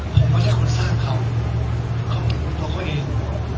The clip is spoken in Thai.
ผมไม่ใช่คนสร้างเขาเขาเป็นคนตัวเขาเอง